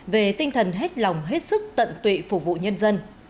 về tinh thần hết lòng hết sức tận tụy phục vụ nhân dân